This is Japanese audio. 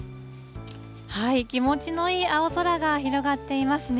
気持ちのいい青空が広がっていますね。